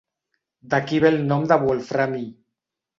D'aquí ve el nom de wolframi.